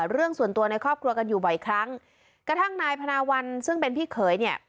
เรื่องส่วนตัวในครอบครัวกันอยู่บ่อยครั้งกระทั่งนายพนาวัลซึ่งเป็นพี่เขยเนี่ย